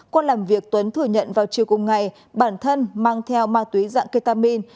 qua làm việc tuấn thừa nhận vào chiều cùng ngày bản thân mang theo ma túy dạng ketamin